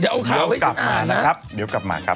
เดี๋ยวเอาข่าวกลับมานะครับเดี๋ยวกลับมาครับ